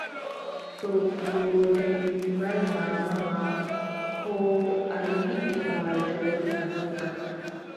To mboodi mbari maama ma, koo a yiʼi baajol, a doggan.